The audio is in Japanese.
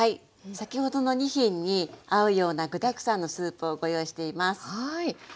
先ほどの２品に合うような具だくさんのスープをご用意しています。